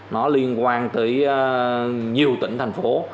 nó liên quan tới nhiều tỉnh thành phố